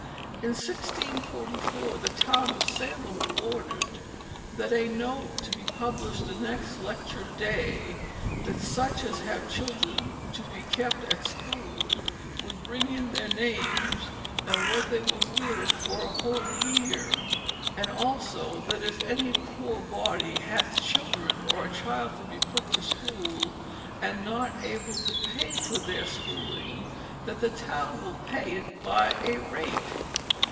In 1644 the town of Salem ordered "that a note be published the next lecture day, that such as have children to be kept at school, would bring in their names, and what they will give for a whole year; and also that if any poor body hath children or a child to be put to school, and not able to pay for their schooling, that the town will pay it by a rate."